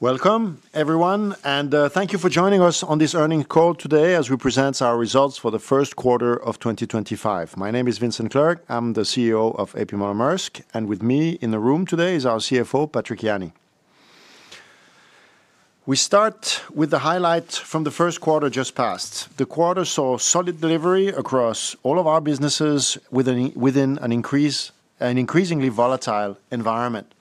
Welcome, everyone, and thank you for joining us on this earnings call today as we present our results for the first quarter of 2025. My name is Vincent Clerc, I'm the CEO of A.P. Moller Maersk, and with me in the room today is our CFO, Patrick Jany. We start with the highlight from the first quarter just passed. The quarter saw solid delivery across all of our businesses within an increasingly volatile environment.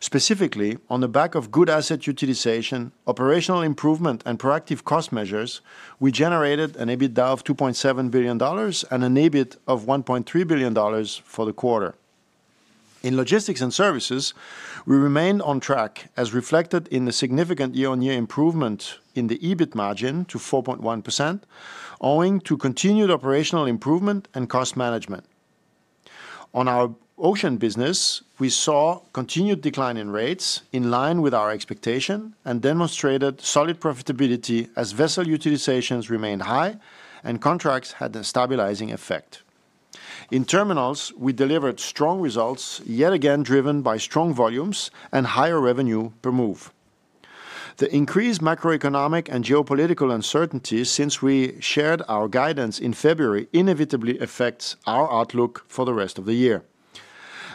Specifically, on the back of good asset utilization, operational improvement, and proactive cost measures, we generated an EBITDA of $2.7 billion and an EBIT of $1.3 billion for the quarter. In Logistics & Services, we remained on track as reflected in the significant year-on-year improvement in the EBIT margin to 4.1%, owing to continued operational improvement and cost management. On our Ocean business, we saw continued decline in rates, in line with our expectation, and demonstrated solid profitability as vessel utilizations remained high and contracts had a stabilizing effect. In Terminals, we delivered strong results, yet again driven by strong volumes and higher revenue per move. The increased macroeconomic and geopolitical uncertainty since we shared our guidance in February inevitably affects our outlook for the rest of the year.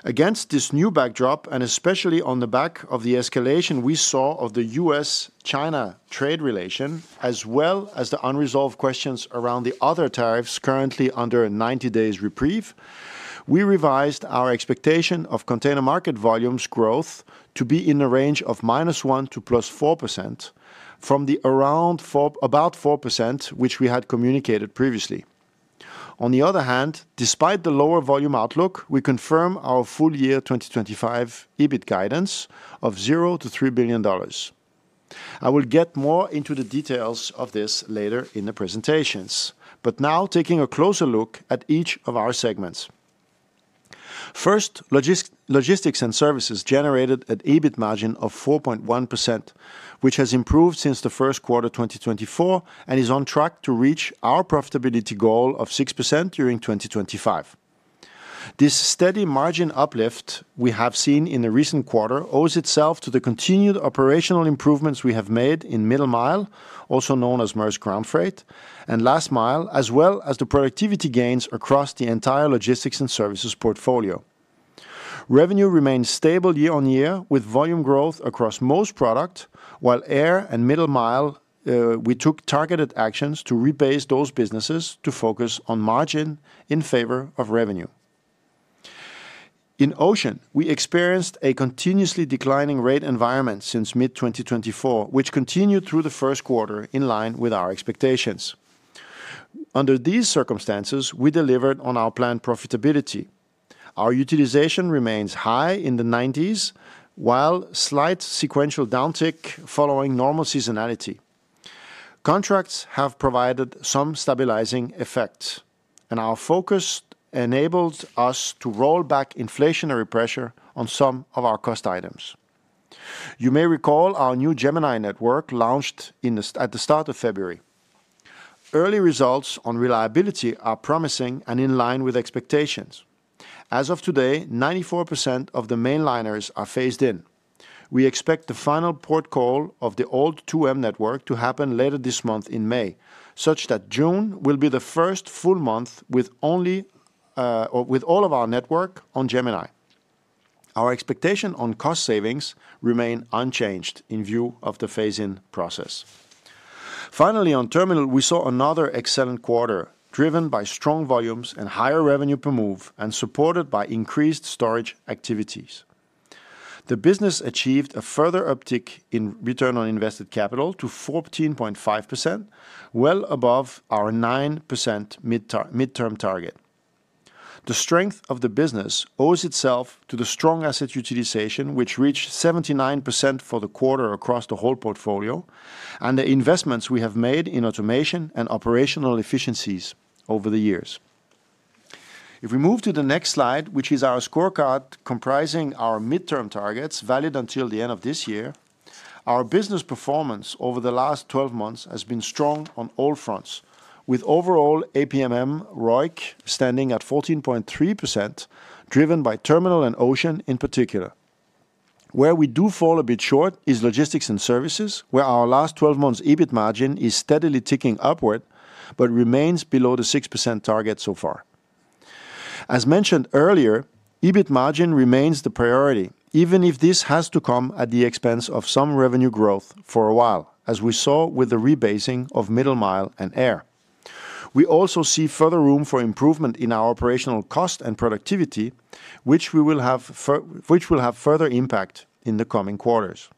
Against this new backdrop, and especially on the back of the escalation we saw of the U.S.-China trade relation, as well as the unresolved questions around the other tariffs currently under a 90-day reprieve, we revised our expectation of container market volumes growth to be in the range of minus 1% to plus 4% from the around about 4% which we had communicated previously. On the other hand, despite the lower volume outlook, we confirm our full year 2025 EBIT guidance of $0 to $3 billion. I will get more into the details of this later in the presentations, but now taking a closer look at each of our segments. First, Logistics & Services generated an EBIT margin of 4.1%, which has improved since the first quarter 2024 and is on track to reach our profitability goal of 6% during 2025. This steady margin uplift we have seen in the recent quarter owes itself to the continued operational improvements we have made in Middle Mile, also known as Maersk Crown Freight, and Last Mile, as well as the productivity gains across the entire Logistics & Services portfolio. Revenue remained stable year-on-year with volume growth across most product, while Air and Middle Mile, we took targeted actions to rebase those businesses to focus on margin in favor of revenue. In Ocean, we experienced a continuously declining rate environment since mid-2024, which continued through the first quarter in line with our expectations. Under these circumstances, we delivered on our planned profitability. Our utilization remains high in the 90s, while slight sequential downtick following normal seasonality. Contracts have provided some stabilizing effects, and our focus enabled us to roll back inflationary pressure on some of our cost items. You may recall our new Gemini network launched at the start of February. Early results on reliability are promising and in line with expectations. As of today, 94% of the main liners are phased in. We expect the final port call of the old 2M network to happen later this month in May, such that June will be the first full month with all of our network on Gemini. Our expectation on cost savings remains unchanged in view of the phase-in process. Finally, on Terminal, we saw another excellent quarter driven by strong volumes and higher revenue per move and supported by increased storage activities. The business achieved a further uptick in return on invested capital to 14.5%, well above our 9% mid-term target. The strength of the business owes itself to the strong asset utilization, which reached 79% for the quarter across the whole portfolio, and the investments we have made in automation and operational efficiencies over the years. If we move to the next slide, which is our scorecard comprising our mid-term targets valid until the end of this year, our business performance over the last 12 months has been strong on all fronts, with overall APMM ROIC standing at 14.3%, driven by Terminal and Ocean in particular. Where we do fall a bit short is Logistics & Services, where our last 12 months' EBIT margin is steadily ticking upward but remains below the 6% target so far. As mentioned earlier, EBIT margin remains the priority, even if this has to come at the expense of some revenue growth for a while, as we saw with the rebasing of Middle Mile and Air. We also see further room for improvement in our operational cost and productivity, which will have further impact in the coming quarters.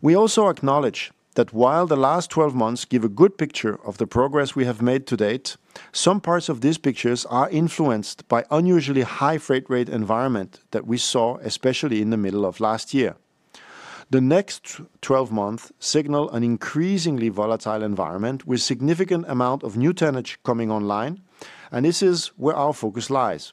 We also acknowledge that while the last 12 months give a good picture of the progress we have made to date, some parts of these pictures are influenced by the unusually high freight rate environment that we saw, especially in the middle of last year. The next 12 months signal an increasingly volatile environment with a significant amount of new tonnage coming online, and this is where our focus lies.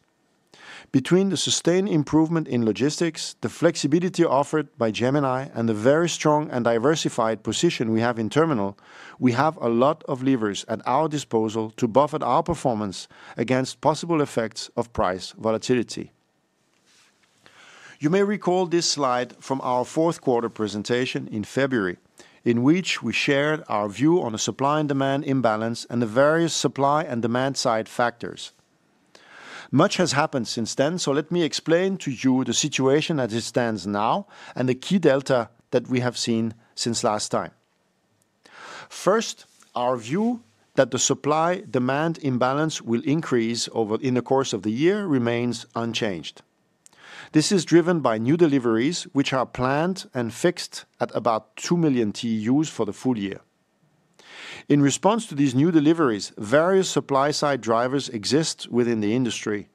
Between the sustained improvement in logistics, the flexibility offered by Gemini, and the very strong and diversified position we have in Terminal, we have a lot of levers at our disposal to buffer our performance against possible effects of price volatility. You may recall this slide from our fourth quarter presentation in February, in which we shared our view on the supply and demand imbalance and the various supply and demand side factors. Much has happened since then, so let me explain to you the situation as it stands now and the key delta that we have seen since last time. First, our view that the supply-demand imbalance will increase in the course of the year remains unchanged. This is driven by new deliveries, which are planned and fixed at about 2 million TEUs for the full year. In response to these new deliveries, various supply-side drivers exist within the industry,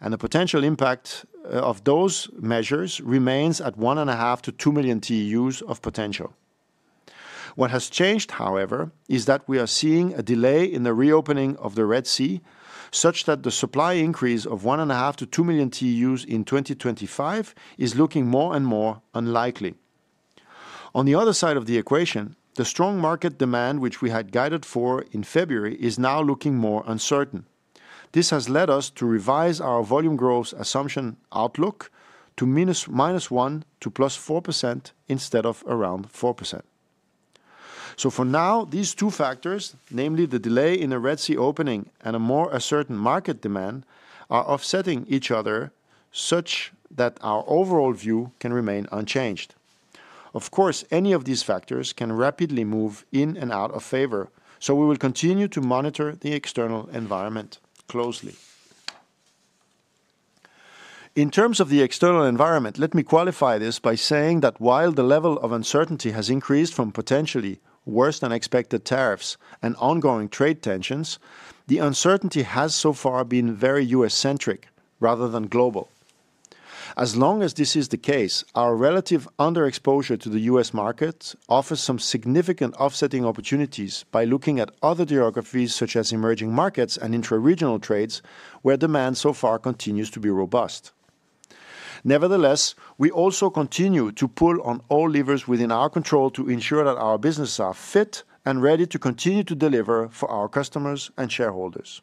and the potential impact of those measures remains at 1.5 million-2 million TEUs of potential. What has changed, however, is that we are seeing a delay in the reopening of the Red Sea, such that the supply increase of 1.5 million-2 million TEUs in 2025 is looking more and more unlikely. On the other side of the equation, the strong market demand, which we had guided for in February, is now looking more uncertain. This has led us to revise our volume growth assumption outlook to minus 1% to plus 4% instead of around 4%. For now, these two factors, namely the delay in the Red Sea opening and a more uncertain market demand, are offsetting each other such that our overall view can remain unchanged. Of course, any of these factors can rapidly move in and out of favor, so we will continue to monitor the external environment closely. In terms of the external environment, let me qualify this by saying that while the level of uncertainty has increased from potentially worse-than-expected tariffs and ongoing trade tensions, the uncertainty has so far been very U.S.-centric rather than global. As long as this is the case, our relative underexposure to the U.S. markets offers some significant offsetting opportunities by looking at other geographies such as emerging markets and intra-regional trades, where demand so far continues to be robust. Nevertheless, we also continue to pull on all levers within our control to ensure that our businesses are fit and ready to continue to deliver for our customers and shareholders.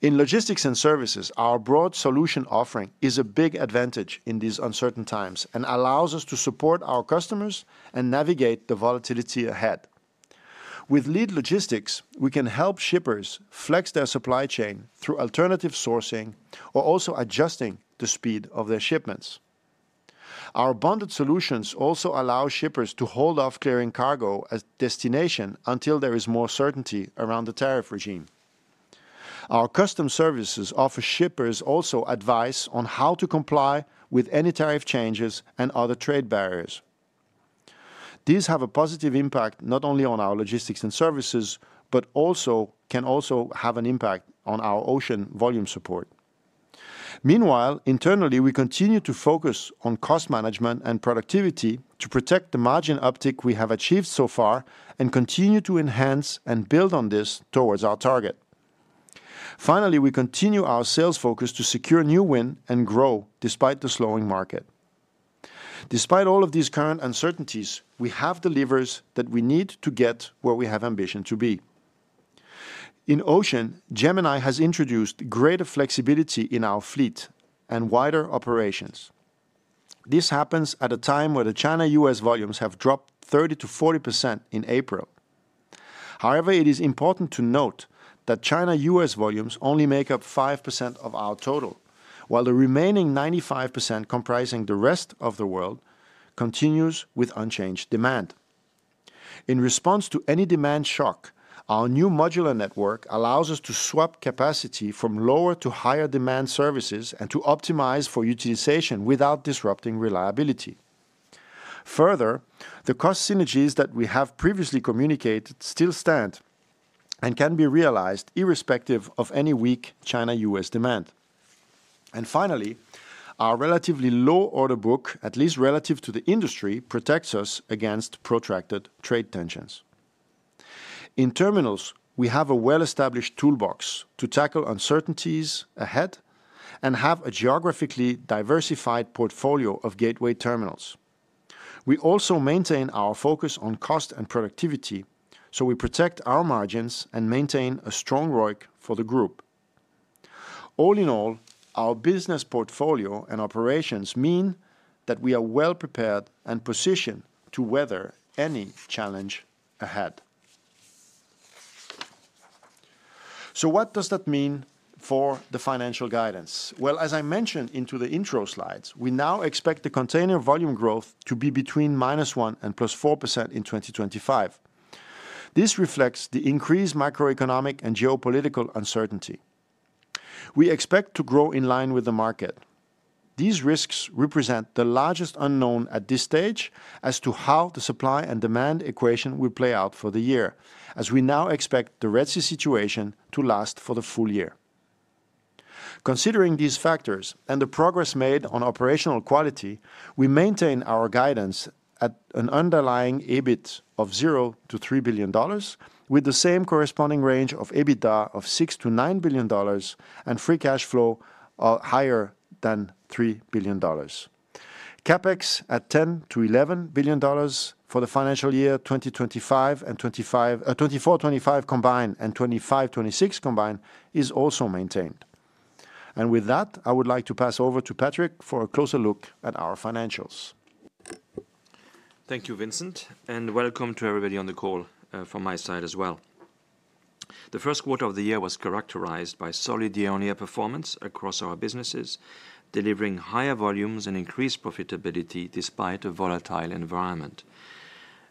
In Logistics & Services, our broad solution offering is a big advantage in these uncertain times and allows us to support our customers and navigate the volatility ahead. With Lead Logistics, we can help shippers flex their supply chain through alternative sourcing or also adjusting the speed of their shipments. Our bonded solutions also allow shippers to hold off clearing cargo at destination until there is more certainty around the tariff regime. Our customs services offer shippers also advice on how to comply with any tariff changes and other trade barriers. These have a positive impact not only on our Logistics & Services, but can also have an impact on our Ocean volume support. Meanwhile, internally, we continue to focus on cost management and productivity to protect the margin uptick we have achieved so far and continue to enhance and build on this towards our target. Finally, we continue our sales focus to secure new wind and grow despite the slowing market. Despite all of these current uncertainties, we have the levers that we need to get where we have ambition to be. In Ocean, Gemini has introduced greater flexibility in our fleet and wider operations. This happens at a time where the China-U.S. volumes have dropped 30%-40% in April. However, it is important to note that China-U.S. volumes only make up 5% of our total, while the remaining 95% comprising the rest of the world continues with unchanged demand. In response to any demand shock, our new modular network allows us to swap capacity from lower to higher-demand services and to optimize for utilization without disrupting reliability. Further, the cost synergies that we have previously communicated still stand and can be realized irrespective of any weak China-U.S. demand. Finally, our relatively low order book, at least relative to the industry, protects us against protracted trade tensions. In Terminals, we have a well-established toolbox to tackle uncertainties ahead and have a geographically diversified portfolio of gateway terminals. We also maintain our focus on cost and productivity, so we protect our margins and maintain a strong ROIC for the group. All in all, our business portfolio and operations mean that we are well-prepared and positioned to weather any challenge ahead. What does that mean for the financial guidance? As I mentioned in the intro slides, we now expect the container volume growth to be between minus 1% and plus 4% in 2025. This reflects the increased macroeconomic and geopolitical uncertainty. We expect to grow in line with the market. These risks represent the largest unknown at this stage as to how the supply and demand equation will play out for the year, as we now expect the Red Sea situation to last for the full year. Considering these factors and the progress made on operational quality, we maintain our guidance at an underlying EBIT of $0-$3 billion, with the same corresponding range of EBITDA of $6 billion-$9 billion and free cash flow of higher than $3 billion. CapEx at $10 billion-$11 billion for the financial year 2025 and 2024-2025 combined and 2025-2026 combined is also maintained. With that, I would like to pass over to Patrick for a closer look at our financials. Thank you, Vincent, and welcome to everybody on the call from my side as well. The first quarter of the year was characterized by solid year-on-year performance across our businesses, delivering higher volumes and increased profitability despite a volatile environment.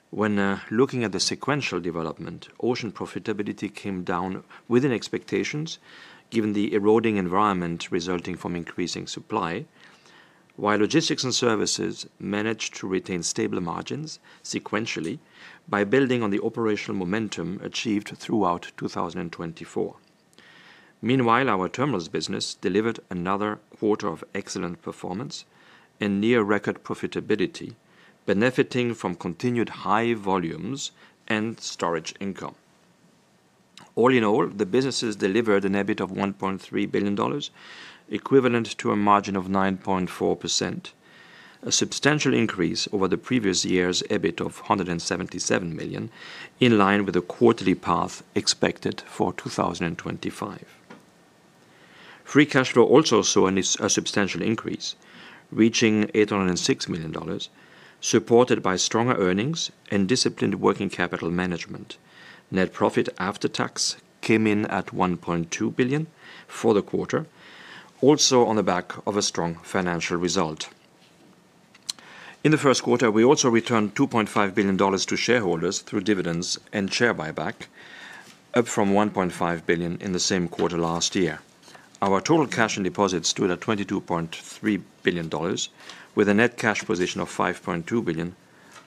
When looking at the sequential development, Ocean profitability came down within expectations given the eroding environment resulting from increasing supply, while Logistics & Services managed to retain stable margins sequentially by building on the operational momentum achieved throughout 2024. Meanwhile, our Terminals business delivered another quarter of excellent performance and near-record profitability, benefiting from continued high volumes and storage income. All in all, the businesses delivered an EBIT of $1.3 billion, equivalent to a margin of 9.4%, a substantial increase over the previous year's EBIT of $177 million, in line with the quarterly path expected for 2025. Free cash flow also saw a substantial increase, reaching $806 million, supported by stronger earnings and disciplined working capital management. Net profit after tax came in at $1.2 billion for the quarter, also on the back of a strong financial result. In the first quarter, we also returned $2.5 billion to shareholders through dividends and share buyback, up from $1.5 billion in the same quarter last year. Our total cash and deposits stood at $22.3 billion, with a net cash position of $5.2 billion,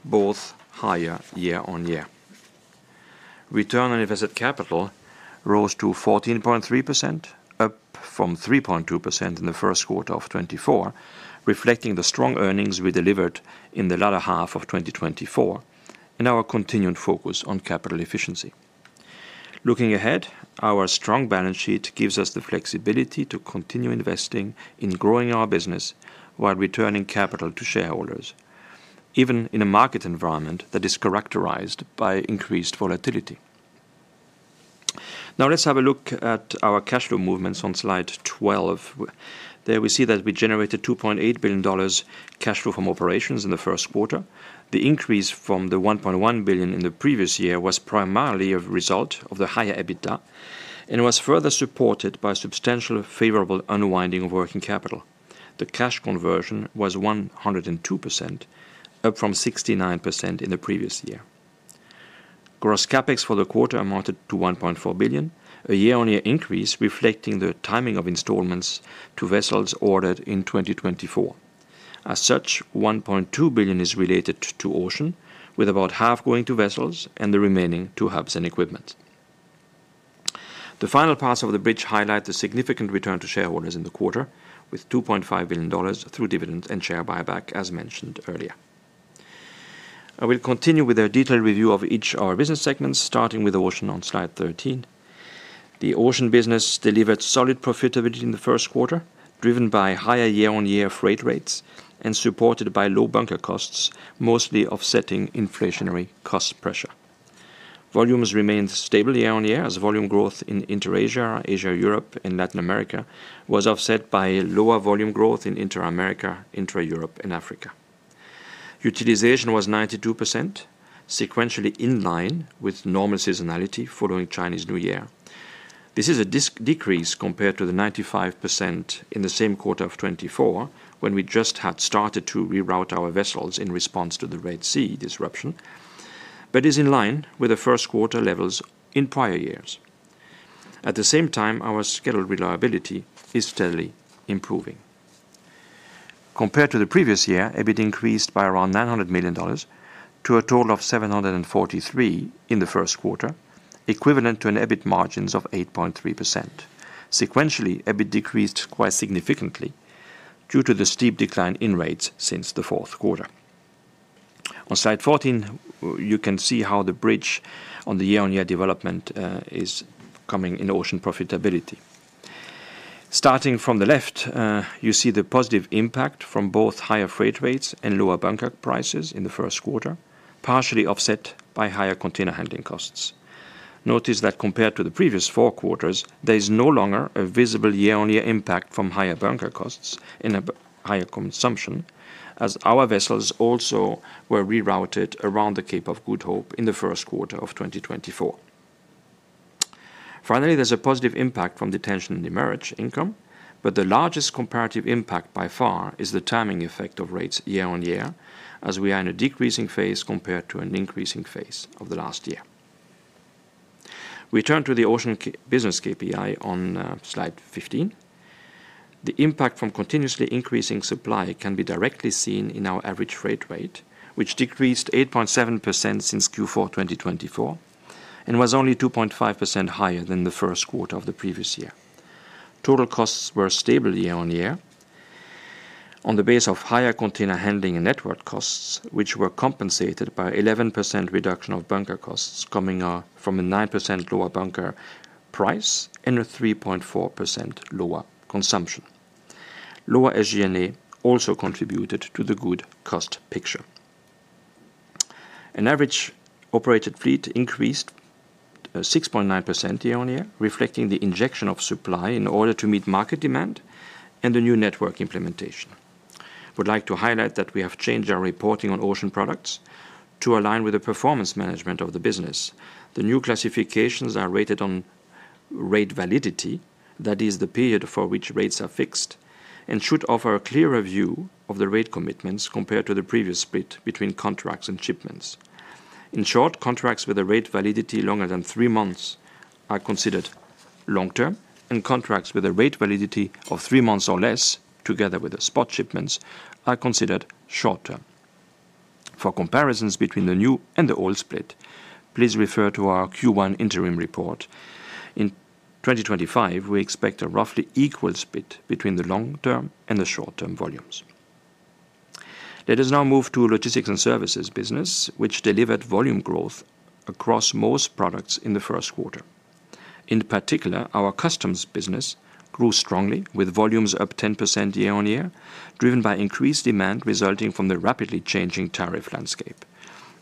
both higher year-on-year. Return on invested capital rose to 14.3%, up from 3.2% in the first quarter of 2024, reflecting the strong earnings we delivered in the latter half of 2024 and our continued focus on capital efficiency. Looking ahead, our strong balance sheet gives us the flexibility to continue investing in growing our business while returning capital to shareholders, even in a market environment that is characterized by increased volatility. Now, let's have a look at our cash flow movements on slide 12. There we see that we generated $2.8 billion cash flow from operations in the first quarter. The increase from the $1.1 billion in the previous year was primarily a result of the higher EBITDA and was further supported by substantial favorable unwinding of working capital. The cash conversion was 102%, up from 69% in the previous year. Gross CapEx for the quarter amounted to $1.4 billion, a year-on-year increase reflecting the timing of installments to vessels ordered in 2024. As such, $1.2 billion is related to Ocean, with about half going to vessels and the remaining to hubs and equipment. The final parts of the bridge highlight the significant return to shareholders in the quarter, with $2.5 billion through dividends and share buyback, as mentioned earlier. I will continue with a detailed review of each of our business segments, starting with Ocean on slide 13. The Ocean business delivered solid profitability in the first quarter, driven by higher year-on-year freight rates and supported by low bunker costs, mostly offsetting inflationary cost pressure. Volumes remained stable year-on-year, as volume growth in Inter-Asia, Asia-Europe, and Latin America was offset by lower volume growth in Interamerica, Inter-Europe, and Africa. Utilization was 92%, sequentially in line with normal seasonality following Chinese New Year. This is a decrease compared to the 95% in the same quarter of 2024, when we just had started to reroute our vessels in response to the Red Sea disruption, but is in line with the first quarter levels in prior years. At the same time, our scheduled reliability is steadily improving. Compared to the previous year, EBIT increased by around $900 million to a total of $743 million in the first quarter, equivalent to an EBIT margin of 8.3%. Sequentially, EBIT decreased quite significantly due to the steep decline in rates since the fourth quarter. On slide 14, you can see how the bridge on the year-on-year development is coming in Ocean profitability. Starting from the left, you see the positive impact from both higher freight rates and lower bunker prices in the first quarter, partially offset by higher container handling costs. Notice that compared to the previous four quarters, there is no longer a visible year-on-year impact from higher bunker costs and higher consumption, as our vessels also were rerouted around the Cape of Good Hope in the first quarter of 2024. Finally, there is a positive impact from detention and demurrage income, but the largest comparative impact by far is the timing effect of rates year-on-year, as we are in a decreasing phase compared to an increasing phase of the last year. We turn to the Ocean business KPI on slide 15. The impact from continuously increasing supply can be directly seen in our average freight rate, which decreased 8.7% since Q4 2024 and was only 2.5% higher than the first quarter of the previous year. Total costs were stable year-on-year on the basis of higher container handling and network costs, which were compensated by an 11% reduction of bunker costs coming from a 9% lower bunker price and a 3.4% lower consumption. Lower SG&A also contributed to the good cost picture. An average operated fleet increased 6.9% year-on-year, reflecting the injection of supply in order to meet market demand and the new network implementation. I would like to highlight that we have changed our reporting on Ocean products to align with the performance management of the business. The new classifications are rated on rate validity, that is, the period for which rates are fixed, and should offer a clearer view of the rate commitments compared to the previous split between contracts and shipments. In short, contracts with a rate validity longer than three months are considered long-term, and contracts with a rate validity of three months or less, together with the spot shipments, are considered short-term. For comparisons between the new and the old split, please refer to our Q1 interim report. In 2025, we expect a roughly equal split between the long-term and the short-term volumes. Let us now move to Logistics & Services business, which delivered volume growth across most products in the first quarter. In particular, our customs business grew strongly, with volumes up 10% year-on-year, driven by increased demand resulting from the rapidly changing tariff landscape.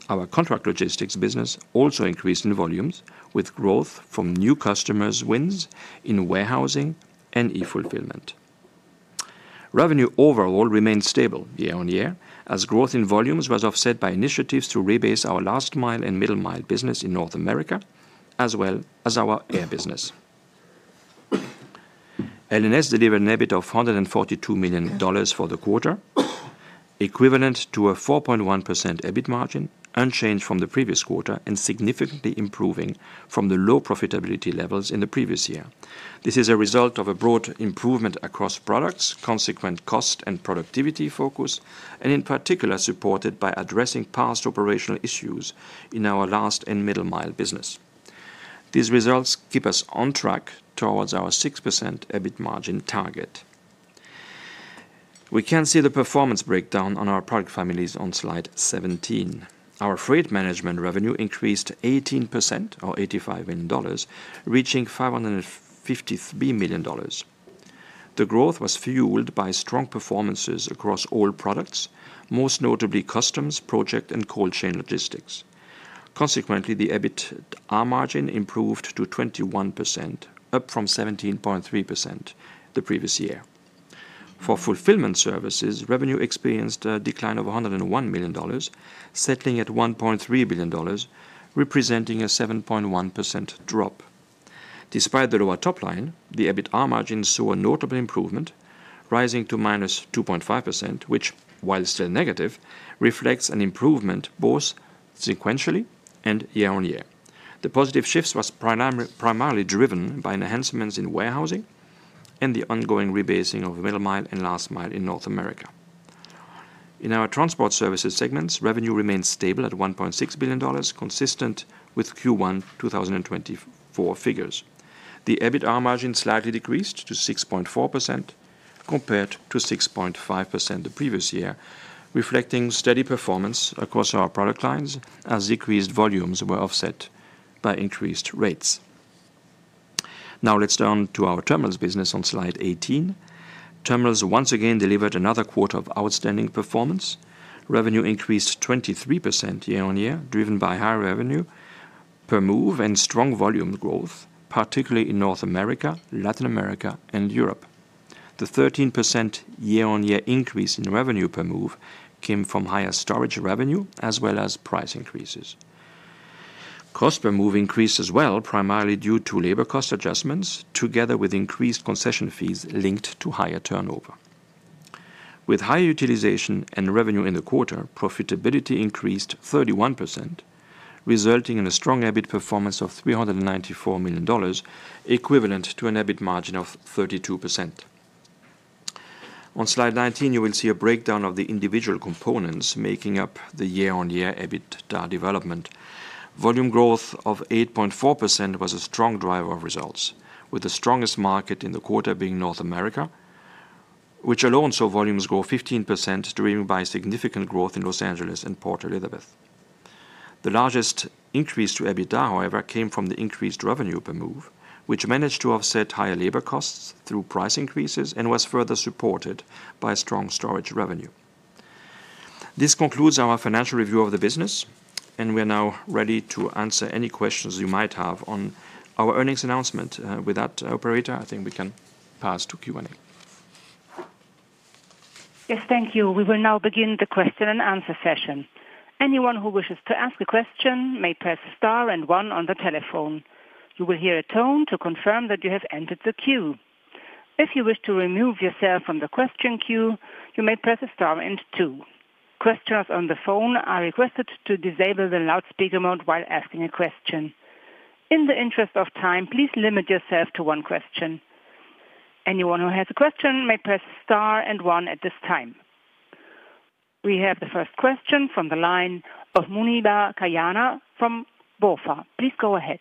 Our contract logistics business also increased in volumes, with growth from new customers' wins in warehousing and e-fulfillment. Revenue overall remained stable year-on-year, as growth in volumes was offset by initiatives to rebase our Last Mile and Middle Mile business in North America, as well as our Air business. L&S delivered an EBIT of $142 million for the quarter, equivalent to a 4.1% EBIT margin, unchanged from the previous quarter and significantly improving from the low profitability levels in the previous year. This is a result of a broad improvement across products, consequent cost and productivity focus, and in particular supported by addressing past operational issues in our Last and Middle Mile business. These results keep us on track towards our 6% EBIT margin target. We can see the performance breakdown on our product families on slide 17. Our freight management revenue increased 18%, or $85 million, reaching $553 million. The growth was fueled by strong performances across all products, most notably customs, project, and cold chain logistics. Consequently, the EBIT margin improved to 21%, up from 17.3% the previous year. For fulfillment services, revenue experienced a decline of $101 million, settling at $1.3 billion, representing a 7.1% drop. Despite the lower top line, the EBIT margin saw a notable improvement, rising to minus 2.5%, which, while still negative, reflects an improvement both sequentially and year-on-year. The positive shift was primarily driven by enhancements in warehousing and the ongoing rebasing of Middle Mile and Last Mile in North America. In our transport services segments, revenue remained stable at $1.6 billion, consistent with Q1 2024 figures. The EBITA margin slightly decreased to 6.4% compared to 6.5% the previous year, reflecting steady performance across our product lines as decreased volumes were offset by increased rates. Now, let's turn to our Terminals business on slide 18. Terminals once again delivered another quarter of outstanding performance. Revenue increased 23% year-on-year, driven by higher revenue per move and strong volume growth, particularly in North America, Latin America, and Europe. The 13% year-on-year increase in revenue per move came from higher storage revenue as well as price increases. Cost per move increased as well, primarily due to labor cost adjustments, together with increased concession fees linked to higher turnover. With higher utilization and revenue in the quarter, profitability increased 31%, resulting in a strong EBIT performance of $394 million, equivalent to an EBIT margin of 32%. On slide 19, you will see a breakdown of the individual components making up the year-on-year EBITDA development. Volume growth of 8.4% was a strong driver of results, with the strongest market in the quarter being North America, which alone saw volumes grow 15%, driven by significant growth in Los Angeles and Port Elizabeth. The largest increase to EBIT, however, came from the increased revenue per move, which managed to offset higher labor costs through price increases and was further supported by strong storage revenue. This concludes our financial review of the business, and we are now ready to answer any questions you might have on our earnings announcement. With that, operator, I think we can pass to Q&A. Yes, thank you. We will now begin the question and answer session. Anyone who wishes to ask a question may press star and one on the telephone. You will hear a tone to confirm that you have entered the queue. If you wish to remove yourself from the question queue, you may press star and two. Questioners on the phone are requested to disable the loudspeaker mode while asking a question. In the interest of time, please limit yourself to one question. Anyone who has a question may press star and one at this time. We have the first question from the line of Muneeba Kayani from BofA. Please go ahead.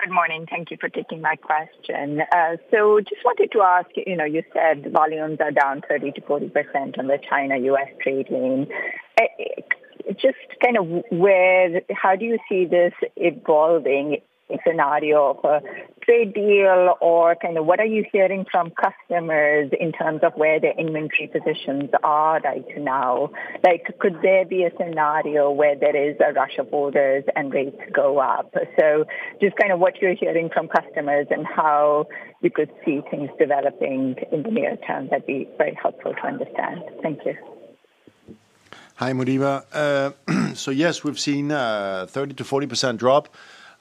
Good morning. Thank you for taking my question. Just wanted to ask, you said volumes are down 30%-40% on the China-U.S. trade lane. Just kind of how do you see this evolving? Scenario of a trade deal or kind of what are you hearing from customers in terms of where their inventory positions are right now? Could there be a scenario where there is a rush of orders and rates go up? Just kind of what you're hearing from customers and how you could see things developing in the near term would be very helpful to understand. Thank you. Hi, Muneeba. Yes, we've seen a 30%-40% drop,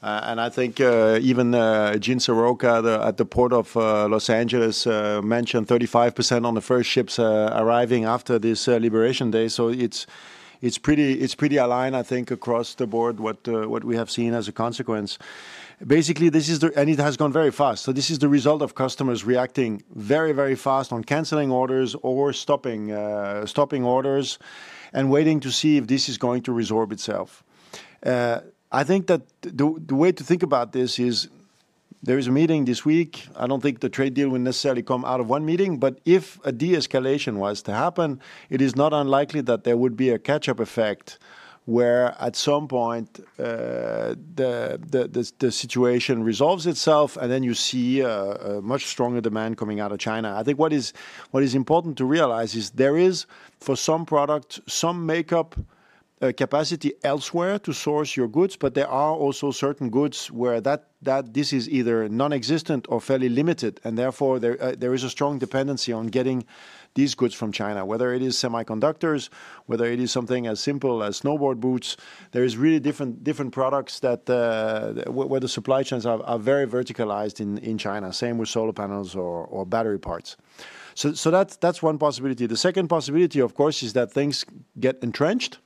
and I think even Gene Seroka at the Port of Los Angeles mentioned 35% on the first ships arriving after this Liberation Day. It's pretty aligned, I think, across the board what we have seen as a consequence. Basically, this is the result of customers reacting very, very fast on canceling orders or stopping orders and waiting to see if this is going to resorb itself. I think that the way to think about this is there is a meeting this week. I don't think the trade deal will necessarily come out of one meeting, but if a de-escalation was to happen, it is not unlikely that there would be a catch-up effect where at some point the situation resolves itself and then you see a much stronger demand coming out of China. I think what is important to realize is there is, for some products, some makeup capacity elsewhere to source your goods, but there are also certain goods where this is either nonexistent or fairly limited, and therefore there is a strong dependency on getting these goods from China, whether it is semiconductors, whether it is something as simple as snowboard boots. There are really different products where the supply chains are very verticalized in China, same with solar panels or battery parts. That is one possibility. The second possibility, of course, is that things get entrenched.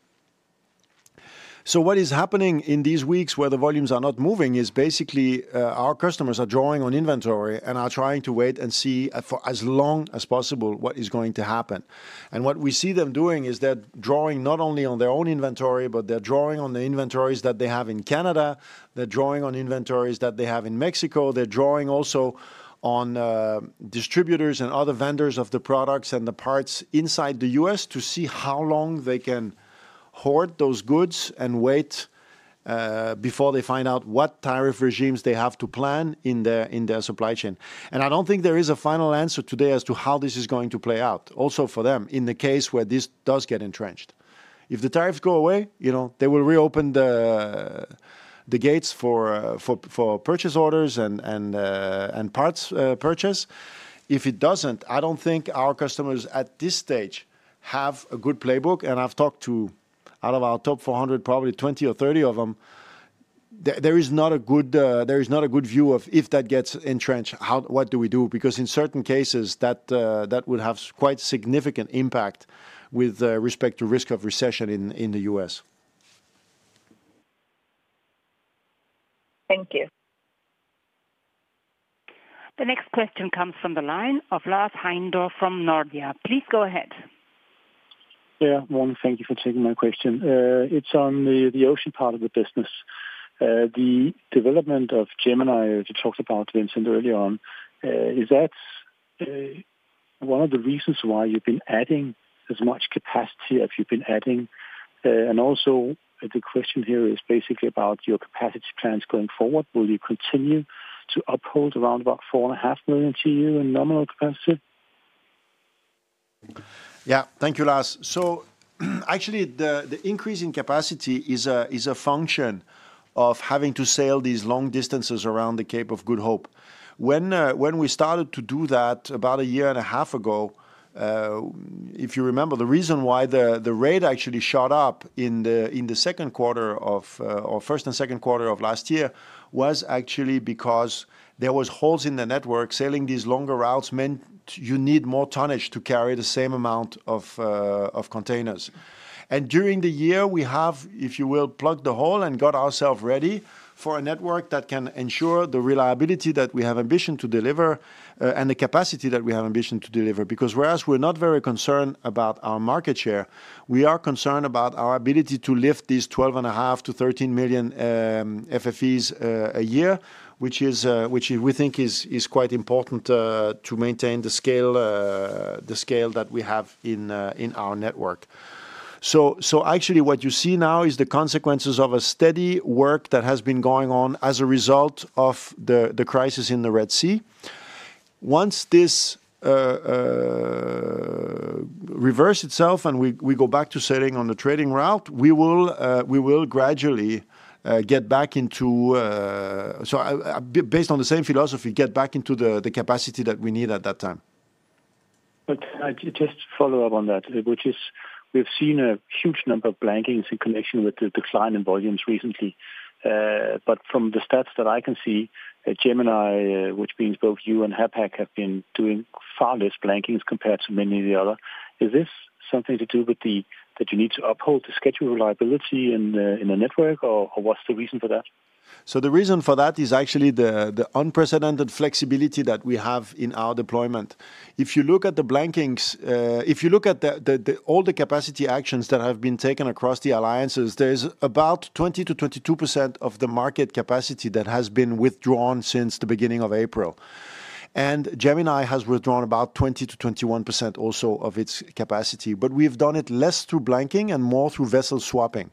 What is happening in these weeks where the volumes are not moving is basically our customers are drawing on inventory and are trying to wait and see for as long as possible what is going to happen. What we see them doing is they're drawing not only on their own inventory, but they're drawing on the inventories that they have in Canada. They're drawing on inventories that they have in Mexico. They're drawing also on distributors and other vendors of the products and the parts inside the U.S. to see how long they can hoard those goods and wait before they find out what tariff regimes they have to plan in their supply chain. I don't think there is a final answer today as to how this is going to play out also for them in the case where this does get entrenched. If the tariffs go away, they will reopen the gates for purchase orders and parts purchase. If it doesn't, I don't think our customers at this stage have a good playbook. I've talked to, out of our top 400, probably 20 or 30 of them, there is not a good view of if that gets entrenched, what do we do? Because in certain cases, that would have quite a significant impact with respect to risk of recession in the U.S. Thank you. The next question comes from the line of Lars Heindorff from Nordea. Please go ahead. Yeah, morning. Thank you for taking my question. It's on the Ocean part of the business. The development of Gemini, as you talked about, Vincent, earlier on, is that one of the reasons why you've been adding as much capacity as you've been adding? The question here is basically about your capacity plans going forward. Will you continue to uphold around about 4.5 million TEU in nominal capacity? Thank you, Lars. Actually, the increase in capacity is a function of having to sail these long distances around the Cape of Good Hope. When we started to do that about 1.5 years ago, if you remember, the reason why the rate actually shot up in the second quarter or first and second quarter of last year was actually because there were holes in the network. Sailing these longer routes meant you need more tonnage to carry the same amount of containers. During the year, we have, if you will, plugged the hole and got ourselves ready for a network that can ensure the reliability that we have ambition to deliver and the capacity that we have ambition to deliver. Whereas we're not very concerned about our market share, we are concerned about our ability to lift these 12.5 million-13 million FFEs a year, which we think is quite important to maintain the scale that we have in our network. Actually, what you see now is the consequences of a steady work that has been going on as a result of the crisis in the Red Sea. Once this reverses itself and we go back to sailing on the trading route, we will gradually get back into, based on the same philosophy, the capacity that we need at that time. Just to follow up on that, which is we've seen a huge number of blankings in connection with the decline in volumes recently. From the stats that I can see, Gemini, which means both you and Hapag-Lloyd, have been doing far less blankings compared to many of the others. Is this something to do with the fact that you need to uphold the schedule reliability in the network, or what's the reason for that? The reason for that is actually the unprecedented flexibility that we have in our deployment. If you look at the blankings, if you look at all the capacity actions that have been taken across the alliances, there's about 20%-22% of the market capacity that has been withdrawn since the beginning of April. Gemini has withdrawn about 20%-21% also of its capacity. We've done it less through blanking and more through vessel swapping.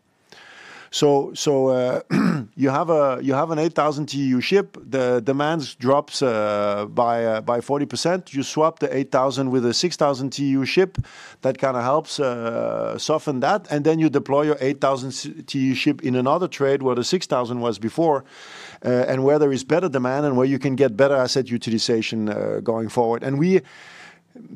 You have an 8,000 TEU ship. The demand drops by 40%. You swap the 8,000 with a 6,000 TEU ship. That kind of helps soften that. You deploy your 8,000 TEU ship in another trade where the 6,000 TEU ship was before and where there is better demand and where you can get better asset utilization going forward.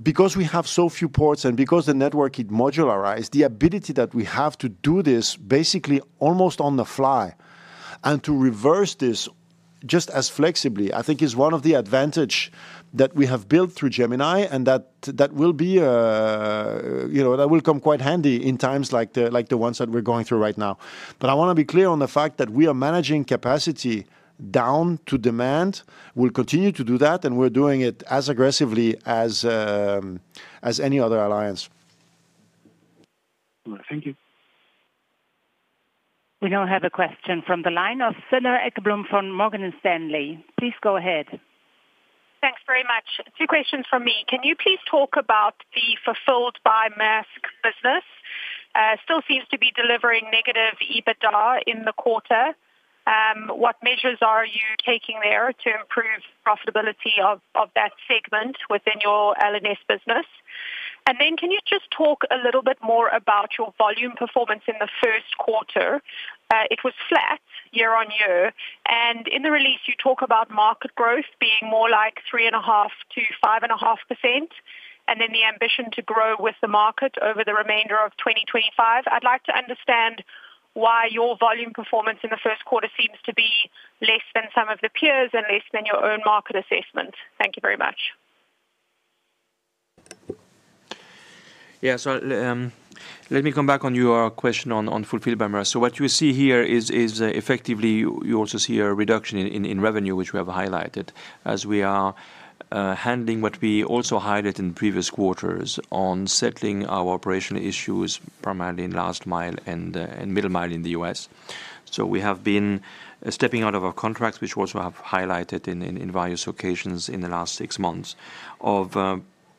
Because we have so few ports and because the network is modularized, the ability that we have to do this basically almost on the fly and to reverse this just as flexibly, I think, is one of the advantages that we have built through Gemini and that will come quite handy in times like the ones that we're going through right now. I want to be clear on the fact that we are managing capacity down to demand. We'll continue to do that, and we're doing it as aggressively as any other alliance. Thank you. We now have a question from the line of Cedar Ekblom from Morgan Stanley. Please go ahead. Thanks very much. Two questions from me. Can you please talk about the Fulfilled by Maersk business? Still seems to be delivering negative EBITDA in the quarter. What measures are you taking there to improve profitability of that segment within your L&S business? Can you just talk a little bit more about your volume performance in the first quarter? It was flat year on year. In the release, you talk about market growth being more like 3.5%-5.5% and the ambition to grow with the market over the remainder of 2025. I'd like to understand why your volume performance in the first quarter seems to be less than some of the peers and less than your own market assessment. Thank you very much. Yeah, let me come back on your question on Fulfilled by Maersk. What you see here is, effectively, you also see a reduction in revenue, which we have highlighted as we are handling what we also highlighted in previous quarters on settling our operational issues, primarily in Last Mile and Middle Mile in the U.S. We have been stepping out of our contracts, which we also have highlighted on various occasions in the last six months, of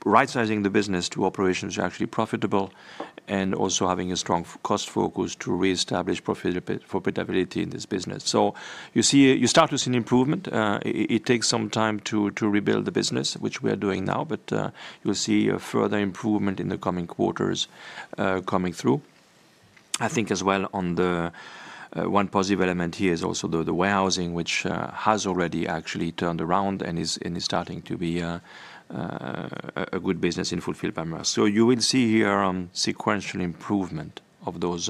right-sizing the business to operations actually profitable and also having a strong cost focus to reestablish profitability in this business. You start to see an improvement. It takes some time to rebuild the business, which we are doing now, but you'll see a further improvement in the coming quarters coming through. I think as well on the one positive element here is also the warehousing, which has already actually turned around and is starting to be a good business in Fulfilled by Maersk. You will see here sequential improvement of those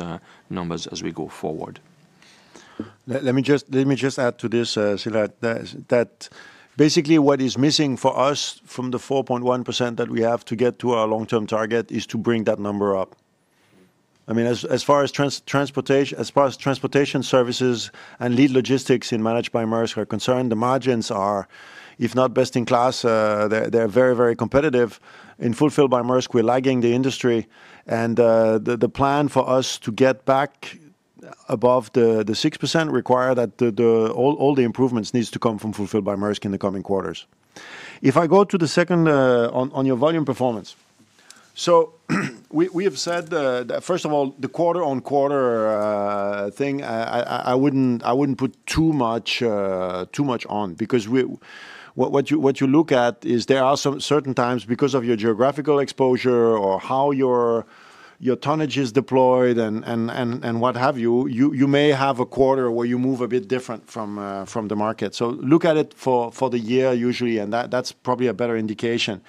numbers as we go forward. Let me just add to this, Senna, that basically what is missing for us from the 4.1% that we have to get to our long-term target is to bring that number up. I mean, as far as transportation services and Lead Logistics in Managed by Maersk are concerned, the margins are, if not best in class, they're very, very competitive. In Fulfilled by Maersk, we're lagging the industry. The plan for us to get back above the 6% requires that all the improvements need to come from Fulfilled by Maersk in the coming quarters. If I go to the second on your volume performance, we have said that first of all, the quarter-on-quarter thing, I would not put too much on because what you look at is there are certain times because of your geographical exposure or how your tonnage is deployed and what have you, you may have a quarter where you move a bit different from the market. Look at it for the year usually, and that is probably a better indication.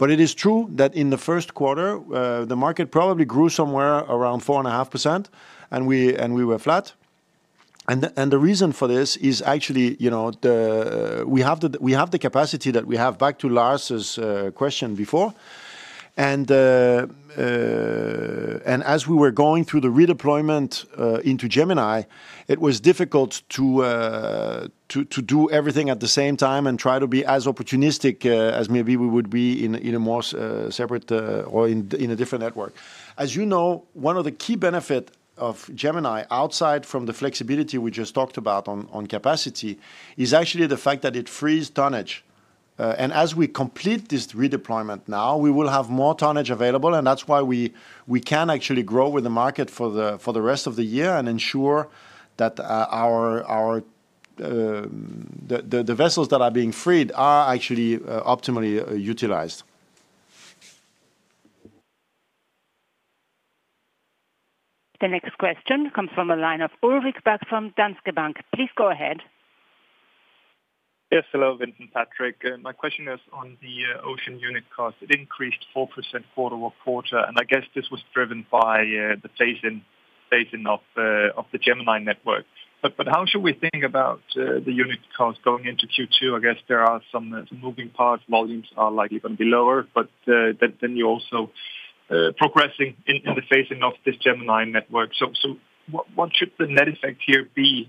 It is true that in the first quarter, the market probably grew somewhere around 4.5%, and we were flat. The reason for this is actually we have the capacity that we have back to Lars's question before. As we were going through the redeployment into Gemini, it was difficult to do everything at the same time and try to be as opportunistic as maybe we would be in a more separate or in a different network. As you know, one of the key benefits of Gemini outside from the flexibility we just talked about on capacity is actually the fact that it frees tonnage. As we complete this redeployment now, we will have more tonnage available, and that's why we can actually grow with the market for the rest of the year and ensure that the vessels that are being freed are actually optimally utilized. The next question comes from the line of Ulrik Bak from Danske Bank. Please go ahead. Yes, hello, Vincent, Patrick. My question is on the Ocean unit cost. It increased 4% quarter-over-quarter, and I guess this was driven by the phasing of the Gemini network. How should we think about the unit cost going into Q2? I guess there are some moving parts. Volumes are likely going to be lower, but then you're also progressing in the phasing of this Gemini network. What should the net effect here be?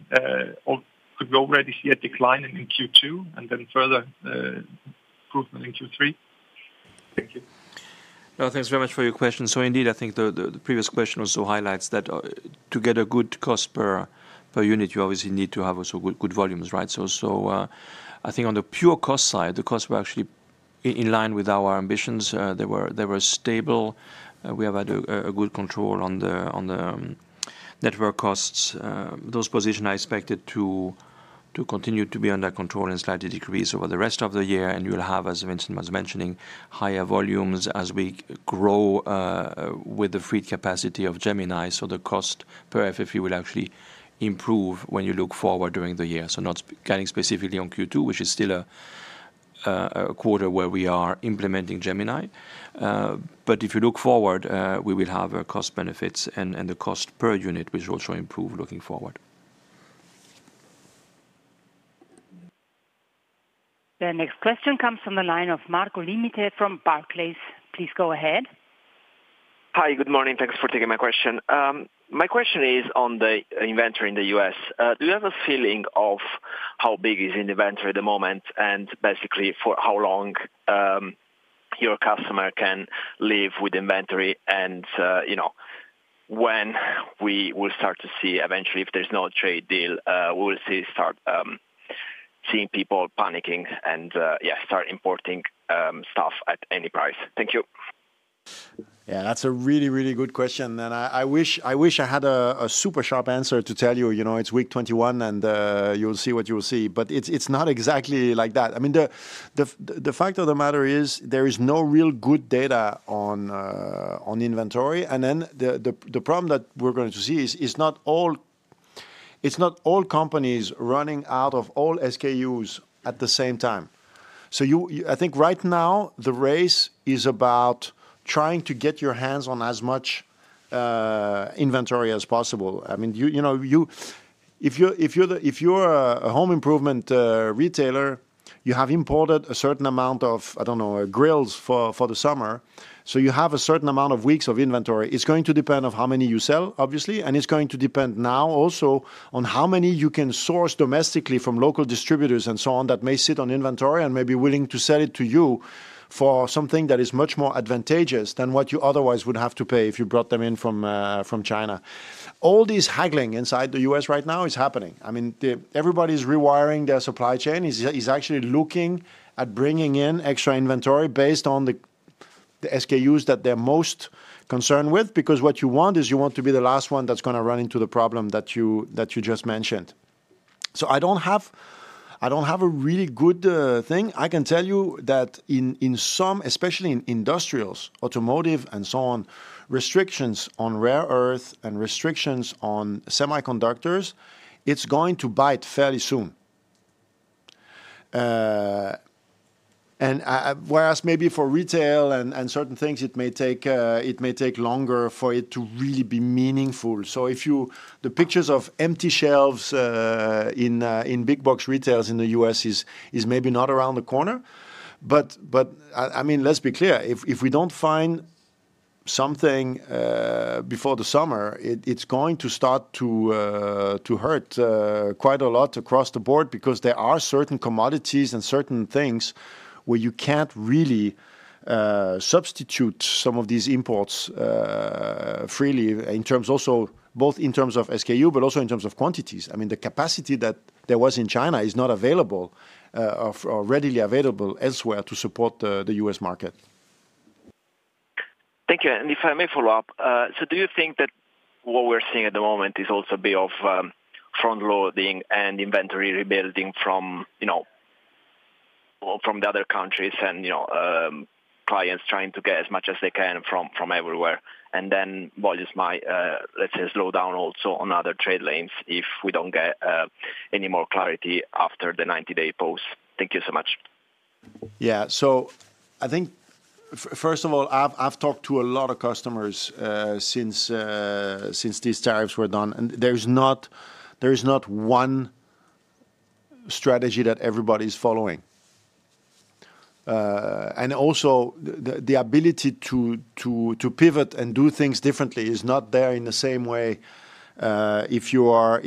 Could we already see a decline in Q2 and then further improvement in Q3? Thank you. Thanks very much for your question. Indeed, I think the previous question also highlights that to get a good cost per unit, you obviously need to have also good volumes, right? On the pure cost side, the costs were actually in line with our ambitions. They were stable. We have had a good control on the network costs. Those positions are expected to continue to be under control and slightly decrease over the rest of the year. You'll have, as Vincent was mentioning, higher volumes as we grow with the freed capacity of Gemini. The cost per FFE will actually improve when you look forward during the year. Not getting specifically on Q2, which is still a quarter where we are implementing Gemini. If you look forward, we will have cost benefits and the cost per unit, which will also improve looking forward. The next question comes from the line of Marco Limite from Barclays. Please go ahead. Hi, good morning. Thanks for taking my question. My question is on the inventory in the U.S. Do you have a feeling of how big is inventory at the moment and basically for how long your customer can live with inventory? When we will start to see eventually if there's no trade deal, we will see people panicking and start importing stuff at any price. Thank you. Yeah, that's a really, really good question. I wish I had a super sharp answer to tell you, it's week 21 and you'll see what you'll see. It's not exactly like that. I mean, the fact of the matter is there is no real good data on inventory. The problem that we're going to see is it's not all companies running out of all SKUs at the same time. I think right now the race is about trying to get your hands on as much inventory as possible. I mean, if you're a home improvement retailer, you have imported a certain amount of, I don't know, grills for the summer. You have a certain amount of weeks of inventory. It's going to depend on how many you sell, obviously. It's going to depend now also on how many you can source domestically from local distributors and so on that may sit on inventory and may be willing to sell it to you for something that is much more advantageous than what you otherwise would have to pay if you brought them in from China. All this haggling inside the U.S. right now is happening. I mean, everybody's rewiring their supply chain. It's actually looking at bringing in extra inventory based on the SKUs that they're most concerned with. Because what you want is you want to be the last one that's going to run into the problem that you just mentioned. I don't have a really good thing. I can tell you that in some, especially in industrials, automotive and so on, restrictions on rare earth and restrictions on semiconductors, it's going to bite fairly soon. Whereas maybe for retail and certain things, it may take longer for it to really be meaningful. The pictures of empty shelves in big box retails in the U.S. is maybe not around the corner. I mean, let's be clear. If we don't find something before the summer, it's going to start to hurt quite a lot across the board because there are certain commodities and certain things where you can't really substitute some of these imports freely in terms also both in terms of SKU, but also in terms of quantities. I mean, the capacity that there was in China is not available or readily available elsewhere to support the U.S. market. Thank you. If I may follow up, do you think that what we're seeing at the moment is also a bit of front-loading and inventory rebuilding from the other countries and clients trying to get as much as they can from everywhere? What is my, let's say, slowdown also on other trade lanes if we do not get any more clarity after the 90-day post? Thank you so much. Yeah, I think first of all, I've talked to a lot of customers since these tariffs were done. There is not one strategy that everybody is following. Also, the ability to pivot and do things differently is not there in the same way if you are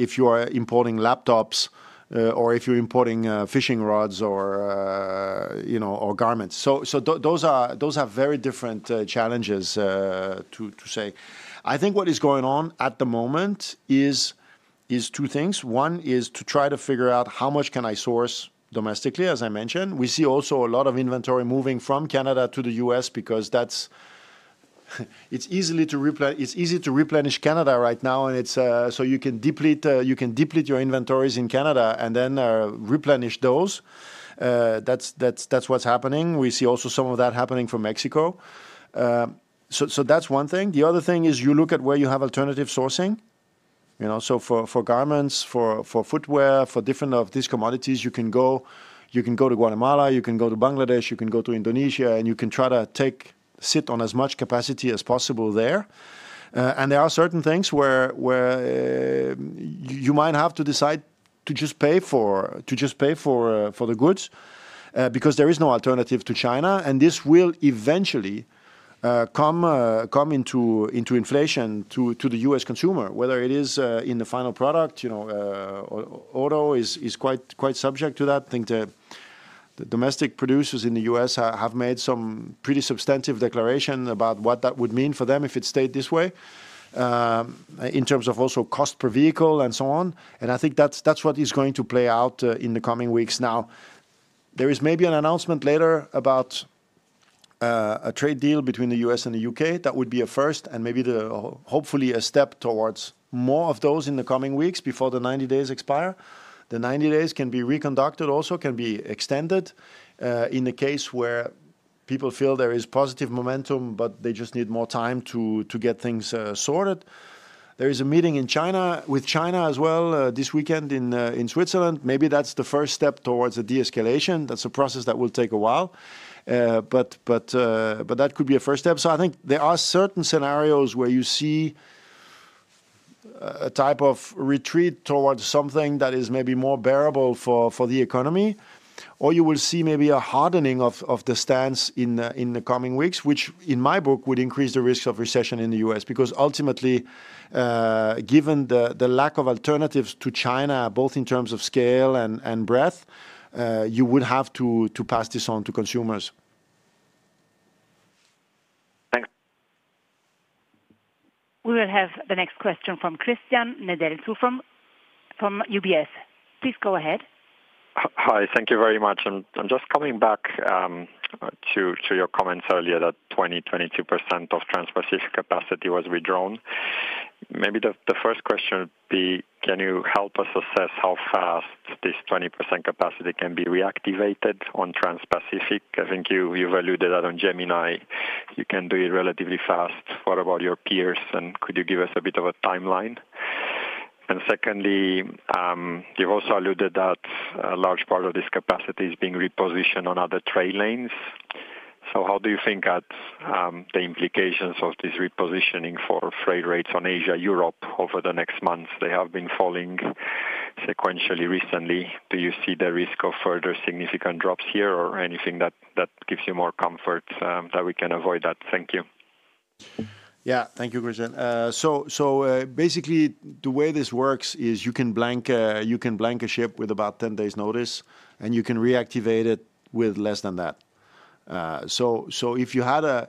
importing laptops or if you're importing fishing rods or garments. Those are very different challenges to say. I think what is going on at the moment is two things. One is to try to figure out how much can I source domestically, as I mentioned. We see also a lot of inventory moving from Canada to the U.S. because it's easy to replenish Canada right now. You can deplete your inventories in Canada and then replenish those. That's what's happening. We see also some of that happening from Mexico. That's one thing. The other thing is you look at where you have alternative sourcing. For garments, for footwear, for different of these commodities, you can go to Guatemala, you can go to Bangladesh, you can go to Indonesia, and you can try to sit on as much capacity as possible there. There are certain things where you might have to decide to just pay for the goods because there is no alternative to China. This will eventually come into inflation to the U.S. consumer, whether it is in the final product. Auto is quite subject to that. I think the domestic producers in the U.S. have made some pretty substantive declaration about what that would mean for them if it stayed this way in terms of also cost per vehicle and so on. I think that is what is going to play out in the coming weeks. Now, there is maybe an announcement later about a trade deal between the U.S. and the U.K. that would be a first and maybe hopefully a step towards more of those in the coming weeks before the 90 days expire. The 90 days can be reconducted also, can be extended in the case where people feel there is positive momentum, but they just need more time to get things sorted. There is a meeting with China as well this weekend in Switzerland. Maybe that's the first step towards a de-escalation. That's a process that will take a while. That could be a first step. I think there are certain scenarios where you see a type of retreat towards something that is maybe more bearable for the economy. You will see maybe a hardening of the stance in the coming weeks, which in my book would increase the risk of recession in the U.S. Because ultimately, given the lack of alternatives to China, both in terms of scale and breadth, you would have to pass this on to consumers. Thanks. We will have the next question from Christian Nedelcu from UBS. Please go ahead. Hi, thank you very much. I'm just coming back to your comments earlier that 20%, 22% of Transpacific capacity was withdrawn. Maybe the first question would be, can you help us assess how fast this 20% capacity can be reactivated on transpacific? I think you've alluded that on Gemini. You can do it relatively fast. What about your peers? Could you give us a bit of a timeline? Secondly, you've also alluded that a large part of this capacity is being repositioned on other trade lanes. How do you think that the implications of this repositioning for freight rates on Asia, Europe over the next months? They have been falling sequentially recently. Do you see the risk of further significant drops here or anything that gives you more comfort that we can avoid that? Thank you. Yeah, thank you, Christian. Basically, the way this works is you can blank a ship with about 10 days notice, and you can reactivate it with less than that. If you had a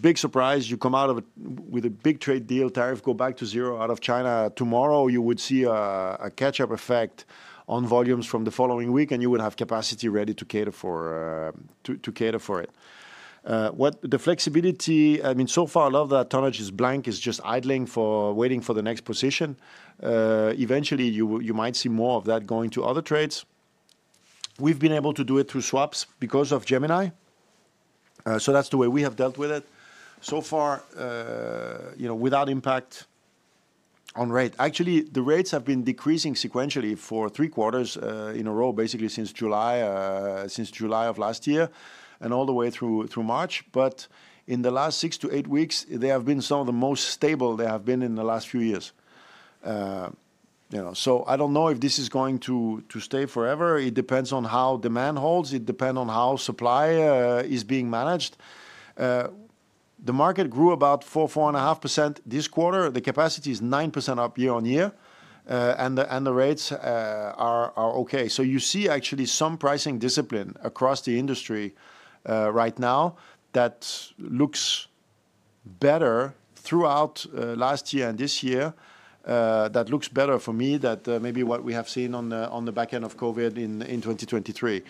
big surprise, you come out with a big trade deal, tariff go back to zero out of China tomorrow, you would see a catch-up effect on volumes from the following week, and you would have capacity ready to cater for it. The flexibility, I mean, so far, a lot of that tonnage is blank, is just idling for waiting for the next position. Eventually, you might see more of that going to other trades. We've been able to do it through swaps because of Gemini. That's the way we have dealt with it so far without impact on rate. Actually, the rates have been decreasing sequentially for three quarters in a row, basically since July of last year and all the way through March. In the last six to eight weeks, they have been some of the most stable they have been in the last few years. I do not know if this is going to stay forever. It depends on how demand holds. It depends on how supply is being managed. The market grew about 4%-4.5% this quarter. The capacity is 9% up year on year, and the rates are okay. You see actually some pricing discipline across the industry right now that looks better throughout last year and this year. That looks better for me than maybe what we have seen on the back end of COVID in 2023.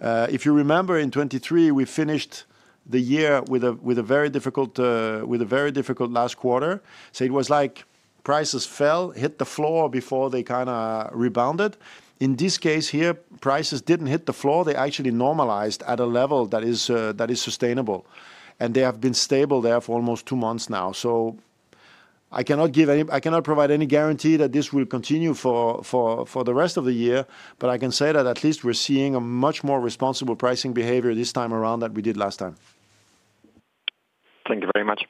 If you remember, in 2023, we finished the year with a very difficult last quarter. It was like prices fell, hit the floor before they kind of rebounded. In this case here, prices did not hit the floor. They actually normalized at a level that is sustainable. They have been stable there for almost two months now. I cannot provide any guarantee that this will continue for the rest of the year. I can say that at least we're seeing a much more responsible pricing behavior this time around than we did last time. Thank you very much.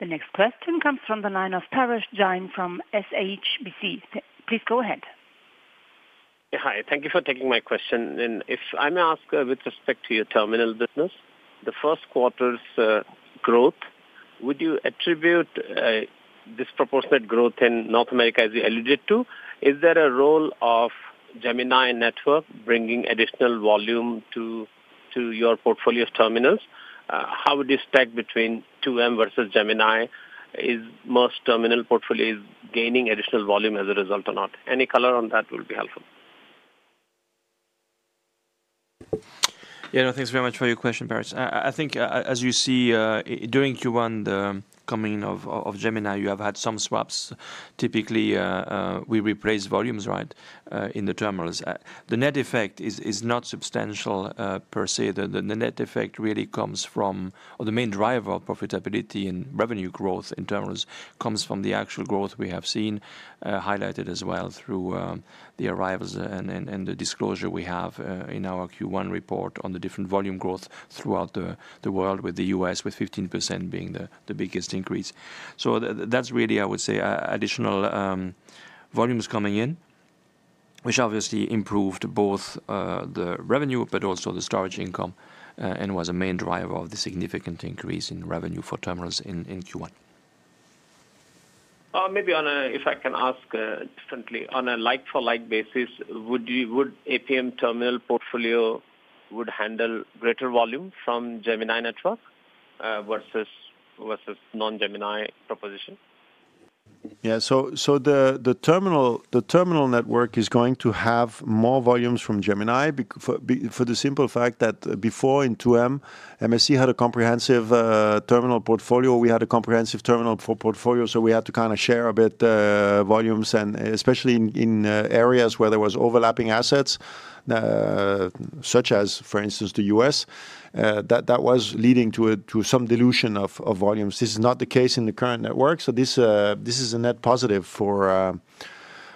The next question comes from the line of Parash Jain from HSBC. Please go ahead. Hi, thank you for taking my question. If I may ask with respect to your terminal business, the first quarter's growth, would you attribute disproportionate growth in North America, as you alluded to? Is there a role of Gemini network bringing additional volume to your portfolio of Terminals? How would you stack between 2M versus Gemini? Is most terminal portfolio gaining additional volume as a result or not? Any color on that would be helpful. Yeah, no, thanks very much for your question, Parash. I think as you see during Q1, the coming of Gemini, you have had some swaps. Typically, we replace volumes, right, in the Terminals. The net effect is not substantial per se. The net effect really comes from, or the main driver of profitability and revenue growth in Terminals comes from the actual growth we have seen, highlighted as well through the arrivals and the disclosure we have in our Q1 report on the different volume growth throughout the world with the U.S., with 15% being the biggest increase. That's really, I would say, additional volumes coming in, which obviously improved both the revenue, but also the storage income and was a main driver of the significant increase in revenue for Terminals in Q1. Maybe if I can ask differently, on a like-for-like basis, would APM Terminals portfolio handle greater volume from Gemini network versus non-Gemini proposition? Yeah, the terminal network is going to have more volumes from Gemini for the simple fact that before in 2M, MSC had a comprehensive terminal portfolio. We had a comprehensive terminal portfolio. We had to kind of share a bit volumes, and especially in areas where there were overlapping assets, such as, for instance, the U.S., that was leading to some dilution of volumes. This is not the case in the current network. This is a net positive for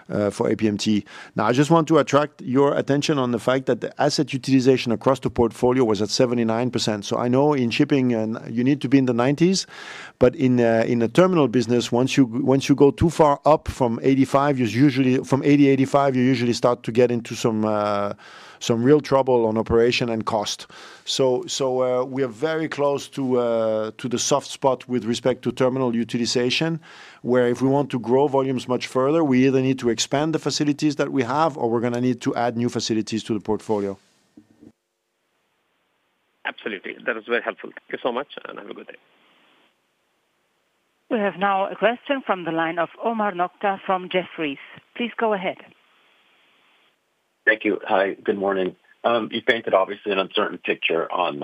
APMT. Now, I just want to attract your attention on the fact that the asset utilization across the portfolio was at 79%. I know in shipping, you need to be in the 90s. In the terminal business, once you go too far up from 80%, 85%, you usually start to get into some real trouble on operation and cost. We are very close to the soft spot with respect to terminal utilization, where if we want to grow volumes much further, we either need to expand the facilities that we have, or we are going to need to add new facilities to the portfolio. Absolutely. That was very helpful. Thank you so much, and have a good day. We have now a question from the line of Omar Nokta from Jefferies. Please go ahead. Thank you. Hi, good morning. You painted, obviously, an uncertain picture on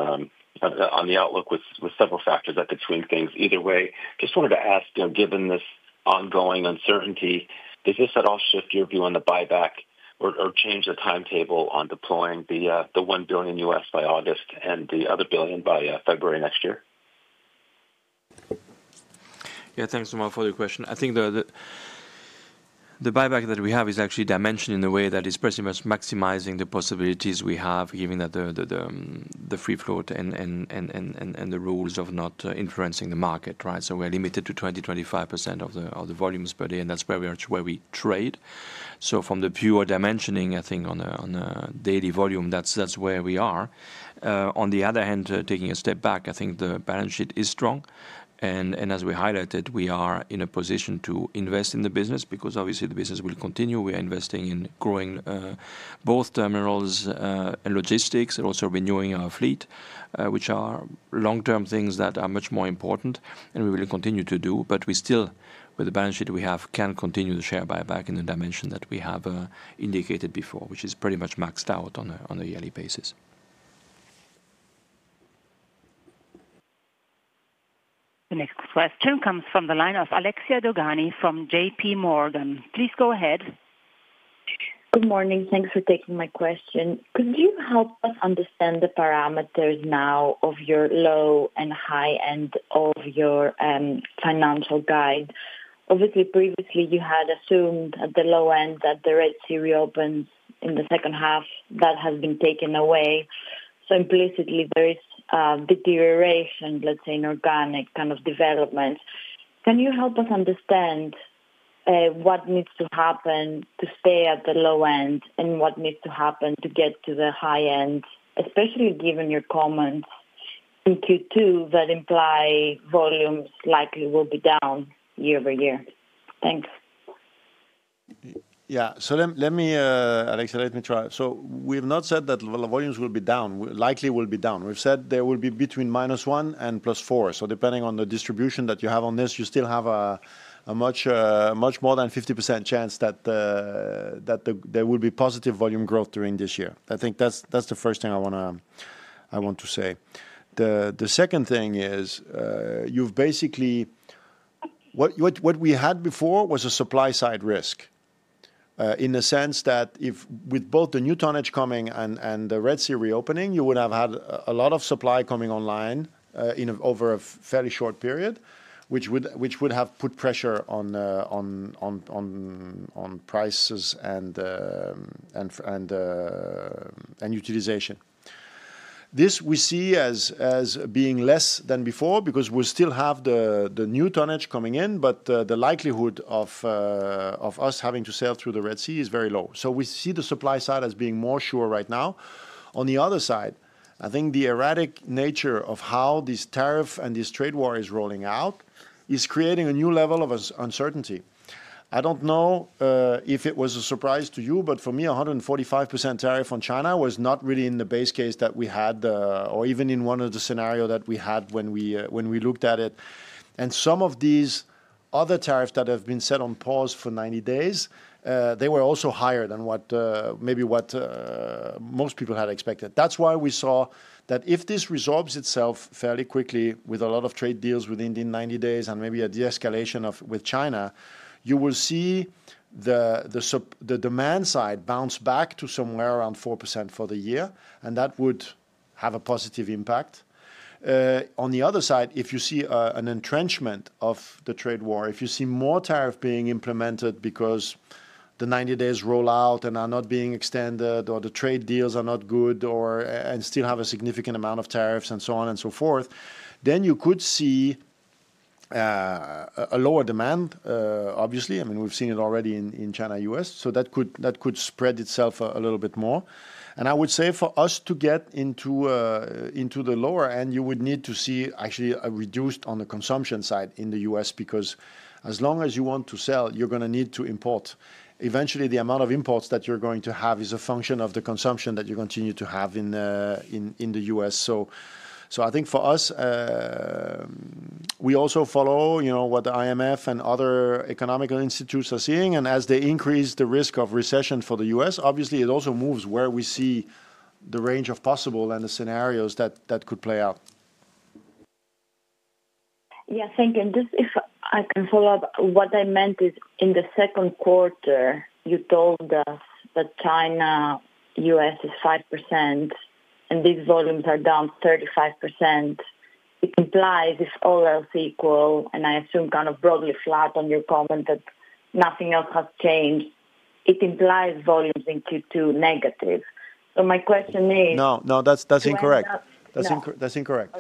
the outlook with several factors that could swing things. Either way, just wanted to ask, given this ongoing uncertainty, does this at all shift your view on the buyback or change the timetable on deploying the $1 billion by August and the other $1 billion by February next year? Yeah, thanks, Omar, for the question. I think the buyback that we have is actually dimensioned in a way that is pretty much maximizing the possibilities we have, given the free float and the rules of not influencing the market, right? So we're limited to 20%-25% of the volumes per day, and that's where we trade. From the pure dimensioning, I think on a daily volume, that's where we are. On the other hand, taking a step back, I think the balance sheet is strong. As we highlighted, we are in a position to invest in the business because obviously the business will continue. We are investing in growing both terminals and logistics and also renewing our fleet, which are long-term things that are much more important and we will continue to do. We still, with the balance sheet we have, can continue to share buyback in the dimension that we have indicated before, which is pretty much maxed out on a yearly basis. The next question comes from the line of Alexia Dogani from JP Morgan. Please go ahead. Good morning. Thanks for taking my question. Could you help us understand the parameters now of your low and high end of your financial guide? Obviously, previously, you had assumed at the low end that the Red Sea reopens in the second half. That has been taken away. Implicitly, there is a deterioration, let's say, in organic kind of development. Can you help us understand what needs to happen to stay at the low end and what needs to happen to get to the high end, especially given your comments in Q2 that imply volumes likely will be down year over year? Thanks. Yeah, so let me, Alexia, let me try. We have not said that volumes will be down, likely will be down. We have said there will be between minus 1% and plus 4%. Depending on the distribution that you have on this, you still have a much more than 50% chance that there will be positive volume growth during this year. I think that is the first thing I want to say. The second thing is you've basically, what we had before was a supply-side risk in the sense that with both the new tonnage coming and the Red Sea reopening, you would have had a lot of supply coming online in over a fairly short period, which would have put pressure on prices and utilization. This we see as being less than before because we still have the new tonnage coming in, but the likelihood of us having to sail through the Red Sea is very low. We see the supply side as being more sure right now. On the other side, I think the erratic nature of how this tariff and this trade war is rolling out is creating a new level of uncertainty. I don't know if it was a surprise to you, but for me, 145% tariff on China was not really in the base case that we had or even in one of the scenarios that we had when we looked at it. Some of these other tariffs that have been set on pause for 90 days, they were also higher than maybe what most people had expected. That's why we saw that if this resolves itself fairly quickly with a lot of trade deals within 90 days and maybe a de-escalation with China, you will see the demand side bounce back to somewhere around 4% for the year, and that would have a positive impact. On the other side, if you see an entrenchment of the trade war, if you see more tariffs being implemented because the 90 days roll out and are not being extended or the trade deals are not good and still have a significant amount of tariffs and so on and so forth, you could see a lower demand, obviously. I mean, we've seen it already in China-U.S., so that could spread itself a little bit more. I would say for us to get into the lower end, you would need to see actually a reduced on the consumption side in the U.S. because as long as you want to sell, you're going to need to import. Eventually, the amount of imports that you're going to have is a function of the consumption that you continue to have in the U.S. I think for us, we also follow what the IMF and other economical institutes are seeing. As they increase the risk of recession for the U.S., obviously, it also moves where we see the range of possible and the scenarios that could play out. Yeah, thank you. Just if I can follow up, what I meant is in the second quarter, you told us that China-U.S. is 5% and these volumes are down 35%. It implies if all else equal, and I assume kind of broadly flat on your comment that nothing else has changed, it implies volumes in Q2 negative. My question is no, no, that's incorrect. That's incorrect.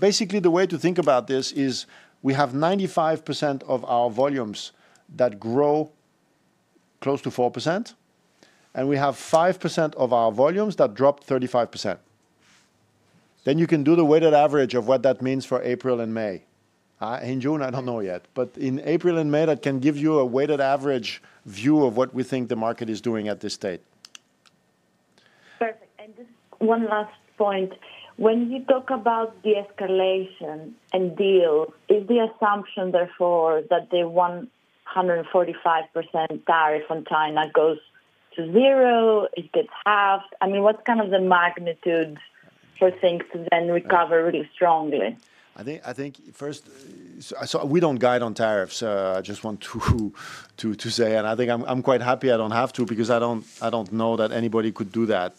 Basically, the way to think about this is we have 95% of our volumes that grow close to 4%, and we have 5% of our volumes that drop 35%. You can do the weighted average of what that means for April and May. In June, I do not know yet. In April and May, that can give you a weighted average view of what we think the market is doing at this state. Perfect. Just one last point. When you talk about de-escalation and deals, is the assumption therefore that the 145% tariff on China goes to zero? It gets halved. I mean, what is kind of the magnitude for things to then recover really strongly? I think first, we do not guide on tariffs. I just want to say, and I think I am quite happy I do not have to because I do not know that anybody could do that,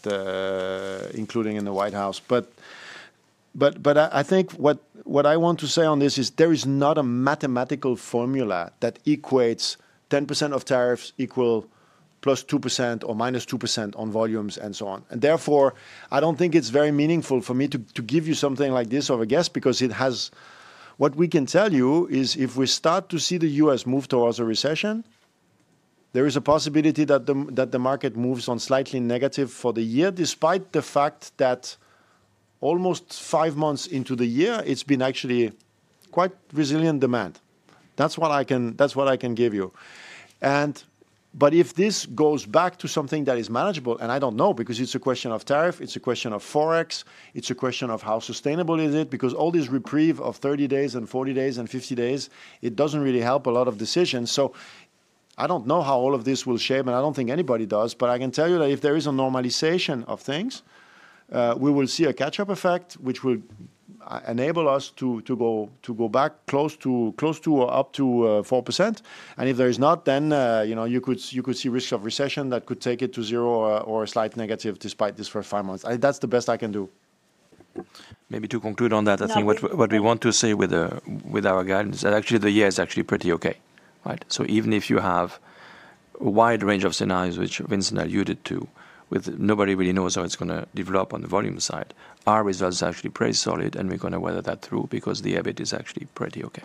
including in the White House. I think what I want to say on this is there is not a mathematical formula that equates 10% of tariffs equal plus 2% or minus 2% on volumes and so on. Therefore, I do not think it is very meaningful for me to give you something like this of a guess because it has what we can tell you is if we start to see the U.S. move towards a recession, there is a possibility that the market moves on slightly negative for the year, despite the fact that almost five months into the year, it has been actually quite resilient demand. That is what I can give you. If this goes back to something that is manageable, and I don't know because it's a question of tariff, it's a question of forex, it's a question of how sustainable is it, because all this reprieve of 30 days and 40 days and 50 days, it doesn't really help a lot of decisions. I don't know how all of this will shape, and I don't think anybody does, but I can tell you that if there is a normalization of things, we will see a catch-up effect, which will enable us to go back close to or up to 4%. If there is not, then you could see risks of recession that could take it to zero or a slight negative despite this for five months. That's the best I can do. Maybe to conclude on that, I think what we want to say with our guide is that actually the year is actually pretty okay, right? So even if you have a wide range of scenarios, which Vincent alluded to, with nobody really knows how it's going to develop on the volume side, our result is actually pretty solid, and we're going to weather that through because the EBIT is actually pretty okay.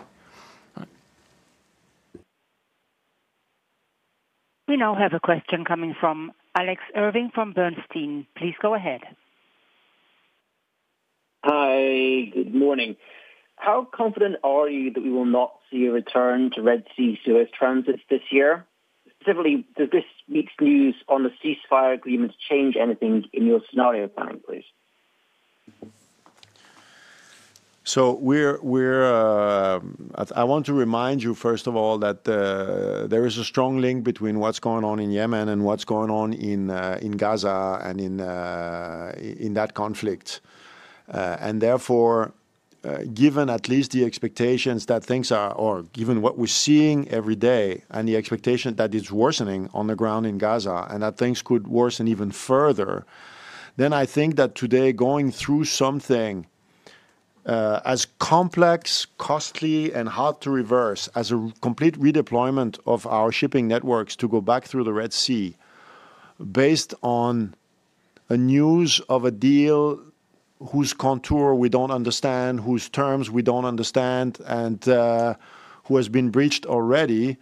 We now have a question coming from Alex Irving from Bernstein. Please go ahead. Hi, good morning. How confident are you that we will not see a return to Red Sea Suez transit this year? Specifically, does this week's news on the ceasefire agreement change anything in your scenario planning, please? I want to remind you, first of all, that there is a strong link between what's going on in Yemen and what's going on in Gaza and in that conflict. Therefore, given at least the expectations that things are, or given what we're seeing every day, and the expectation that it's worsening on the ground in Gaza and that things could worsen even further, I think that today, going through something as complex, costly, and hard to reverse as a complete redeployment of our shipping networks to go back through the Red Sea based on news of a deal whose contour we don't understand, whose terms we don't understand, and which has been breached already,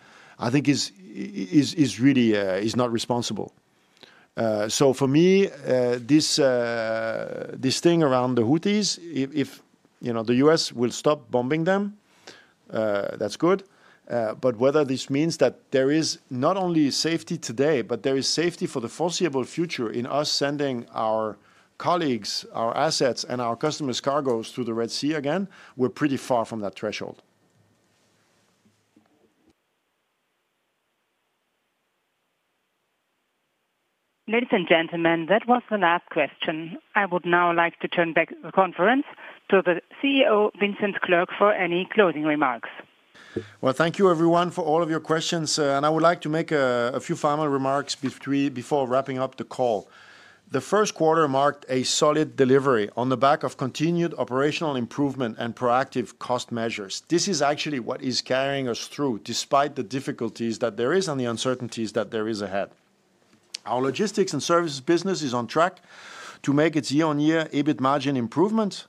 is really not responsible. For me, this thing around the Houthis, if the U.S. will stop bombing them, that's good. Whether this means that there is not only safety today, but there is safety for the foreseeable future in us sending our colleagues, our assets, and our customers' cargoes to the Red Sea again, we're pretty far from that threshold. Ladies and gentlemen, that was the last question. I would now like to turn back the conference to the CEO, Vincent Clerc, for any closing remarks. Thank you, everyone, for all of your questions. I would like to make a few final remarks before wrapping up the call. The first quarter marked a solid delivery on the back of continued operational improvement and proactive cost measures. This is actually what is carrying us through, despite the difficulties that there is and the uncertainties that there is ahead. Our Logistics & Services business is on track to make its year-on-year EBIT margin improvement.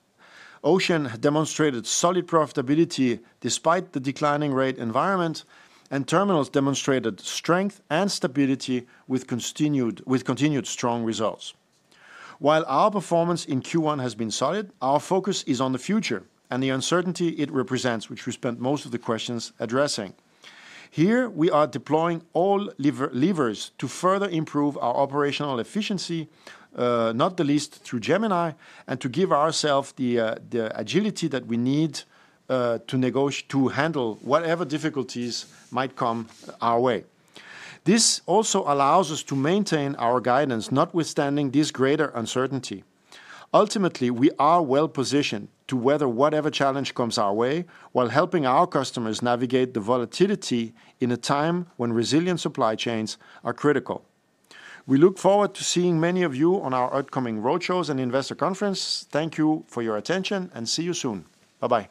Ocean demonstrated solid profilarstability despite the declining rate environment, and Terminals demonstrated strength and stability with continued strong results. While our performance in Q1 has been solid, our focus is on the future and the uncertainty it represents, which we spent most of the questions addressing. Here, we are deploying all levers to further improve our operational efficiency, not the least through Gemini, and to give ourselves the agility that we need to handle whatever difficulties might come our way. This also allows us to maintain our guidance, notwithstanding this greater uncertainty. Ultimately, we are well positioned to weather whatever challenge comes our way while helping our customers navigate the volatility in a time when resilient supply chains are critical. We look forward to seeing many of you on our upcoming roadshows and investor conference. Thank you for your attention and see you soon. Bye-bye.